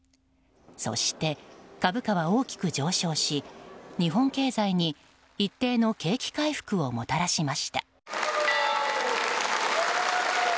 そして株価は大きく上昇し日本経済に一定の景気回復をもたらしました。